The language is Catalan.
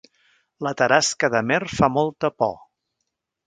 La tarasca d'Amer fa molta por